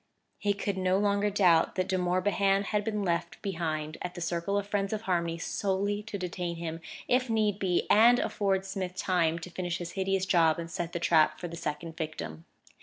He could no longer doubt that De Morbihan had been left behind at the Circle of Friends of Harmony solely to detain him, if need be, and afford Smith time to finish his hideous job and set the trap for the second victim.